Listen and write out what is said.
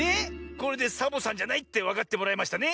これでサボさんじゃないってわかってもらえましたね。